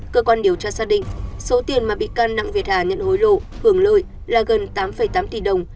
cơ quan điều tra xác định số tiền mà bị can đặng việt hà nhận hối lộ hưởng lợi là gần tám tám tỷ đồng